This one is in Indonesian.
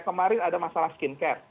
kemarin ada masalah skin care